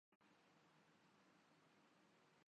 ملک چل رہا ہے۔